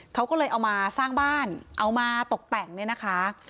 เขาก็เลยเอามาสร้างบ้านเอามาตกแต่งเนี่ยนะคะ